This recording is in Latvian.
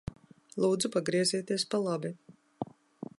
Lūdzu pagriezieties pa labi.